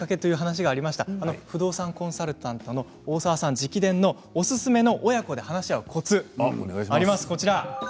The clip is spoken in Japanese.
不動産コンサルタントの大澤さん直伝のおすすめの親子で話し合うコツがあります。